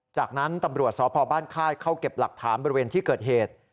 จากนั้นตำรวจสพบ้านค่ายเข้าเก็บหลักฐานบริเวณที่เกิดเหตุ